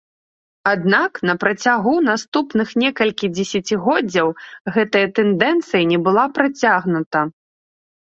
Аднак на працягу наступных некалькіх дзесяцігоддзяў гэтая тэндэнцыя не была працягнута.